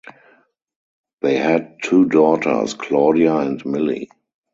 They had two daughters, Claudia and Millie.